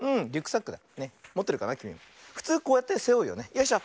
よいしょ。